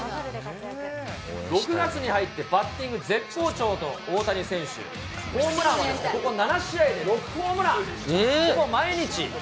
６月に入ってバッティング絶好調と、大谷選手、ホームランはここ７試合で６ホームラン、ほぼ毎日。